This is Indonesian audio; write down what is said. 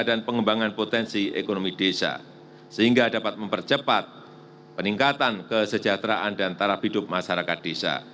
dan pengembangan potensi ekonomi desa sehingga dapat mempercepat peningkatan kesejahteraan dan tarap hidup masyarakat desa